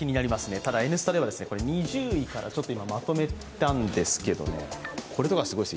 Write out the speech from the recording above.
ただ「Ｎスタ」では２０位からまとめたんですけど、これとかすごいです。